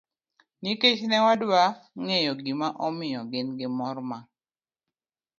Nikech ne wadwa ng'eyo gima omiyo gin gi mor ma